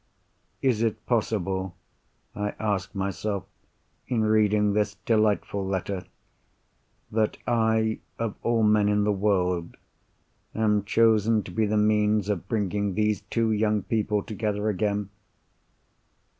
Is it possible (I ask myself, in reading this delightful letter) that I, of all men in the world, am chosen to be the means of bringing these two young people together again?